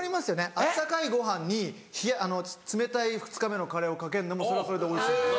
温かいご飯に冷たい２日目のカレーをかけるのもそれはそれでおいしいんですよ。